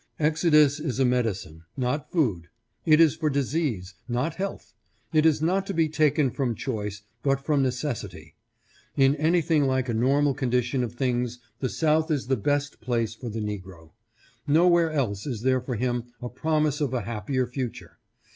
Exodus is a medicine, not food; it is for disease, not health; it is not to be taken from choice, but from necessity. In anything like a normal condi tion of things the South is the best place for the Negro. Nowhere else is there for him a promise of a happier future.